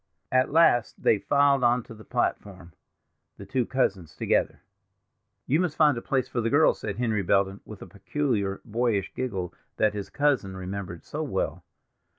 At last they filed on to the platform—the two cousins together. "You must find a place for the girls," said Henry Belden, with the peculiar boyish giggle that his cousin remembered so well.